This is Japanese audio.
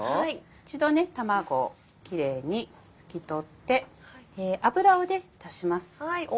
一度卵をキレイに拭き取って油を足します。